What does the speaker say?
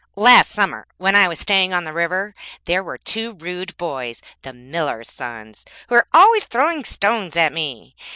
'Last summer, when I was staying on the river, there were two rude boys, the miller's sons, who were always throwing stones at me.